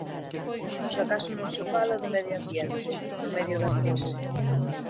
Xa case non se fala do medio ambiente, no medio da crise.